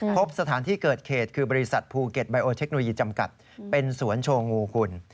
พบสถานที่เกิดเหตุคือบริษัทภูเก็ตไบโอเทคโนโลยีจำกัดเป็นสวนโชว์งูคุณ